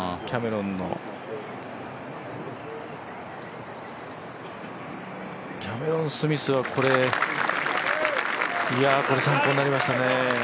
キャメロン・スミスは参考になりましたね。